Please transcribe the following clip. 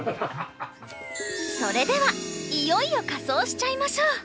それではいよいよ仮装しちゃいましょう！